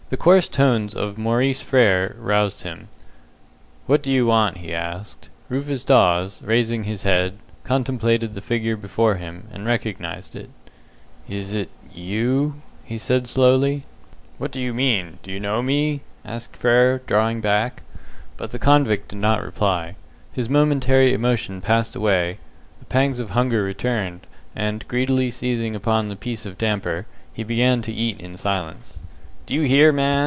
The coarse tones of Maurice Frere roused him. "What do you want?" he asked. Rufus Dawes, raising his head, contemplated the figure before him, and recognized it. "Is it you?" he said slowly. "What do you mean? Do you know me?" asked Frere, drawing back. But the convict did not reply. His momentary emotion passed away, the pangs of hunger returned, and greedily seizing upon the piece of damper, he began to eat in silence. "Do you hear, man?"